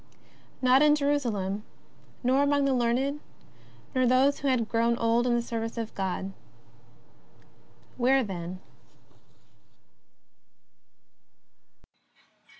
Not in Jerusalem, nor among the learned, nor those who had grown old in the service of God. Where then